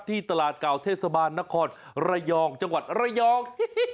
ตลาดเก่าเทศบาลนครระยองจังหวัดระยอง